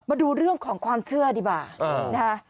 มาดูเรื่องของความเชื่อดีบ้าง